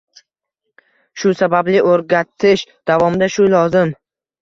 Shu sababli o’rgatish davomida shu lozim.